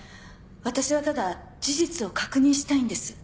私はただ事実を確認したいんです。